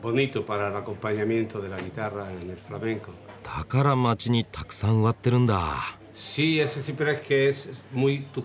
だから街にたくさん植わってるんだ。